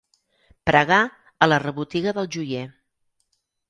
Pregar a la rebotiga del joier.